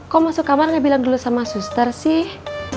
kok masuk kamar dia bilang dulu sama suster sih